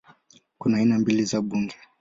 Kuna aina mbili za bunge